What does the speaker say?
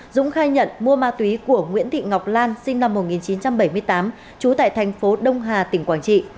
dũng khai nhận mua ma túy của nguyễn thị ngọc lan sinh năm một nghìn chín trăm bảy mươi tám trú tại thành phố đông hà tỉnh quảng trị